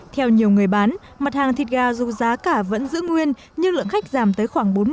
theo nhiều người bán mặt hàng thịt gà dù giá cả vẫn giữ nguyên nhưng lượng khách giảm tới khoảng bốn mươi